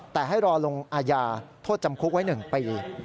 แต่ให้รอลงอาญาโทษจำคุกไว้๑ปี